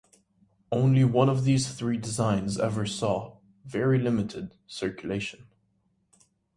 Only one of these three designs ever saw (very limited) circulation.